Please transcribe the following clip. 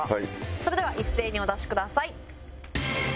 それでは一斉にお出しください。